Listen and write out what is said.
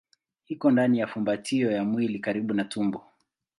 Iko ndani ya fumbatio ya mwili karibu na tumbo.